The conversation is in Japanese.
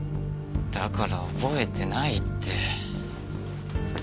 だから覚えてないって。